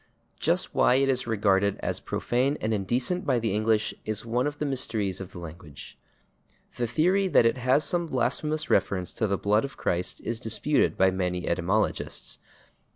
Just why it is regarded as profane and indecent by the English is one of the mysteries of the language. The theory that it has some blasphemous reference to the blood of Christ is disputed by many etymologists.